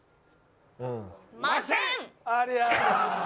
ありゃ。